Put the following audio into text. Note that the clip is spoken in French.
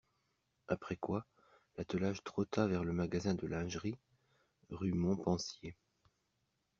Après quoi, l'attelage trotta vers le magasin de lingerie, rue Montpensier.